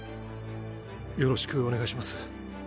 よろしくお願いします。